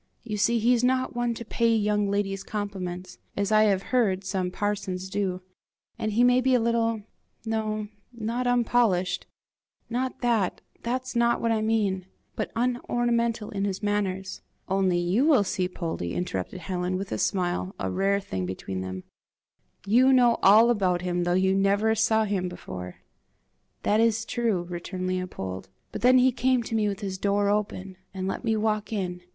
You see he's not one to pay young ladies compliments, as I have heard some parsons do; and he may be a little no, not unpolished, not that that's not what I mean but unornamental in his manners! Only, you see, " "Only, you see, Poldie," interrupted Helen, with a smile, a rare thing between them, "you know all about him, though you never saw him before." "That is true," returned Leopold; "but then he came to me with his door open, and let me walk in.